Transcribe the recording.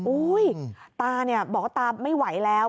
อุ๊ยตาบอกว่าตาไม่ไหวแล้ว